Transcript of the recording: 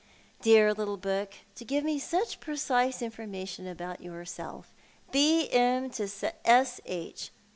Dear little book, to give me such precise information about yourself. " B. M. to S. H."